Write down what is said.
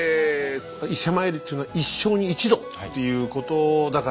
伊勢参りっていうのは一生に一度っていうことだからね。